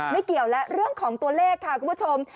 เกี่ยวแล้วเรื่องของตัวเลขค่ะคุณผู้ชม